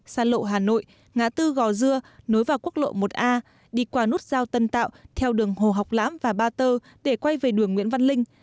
xa lộ hà nội ngã tư gò dưa nối vào quốc lộ một a đi qua nút giao tân tạo theo đường hồ học lãm và ba tơ để quay về đường nguyễn văn linh